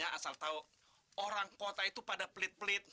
asal tahu orang kota itu pada pelit pelit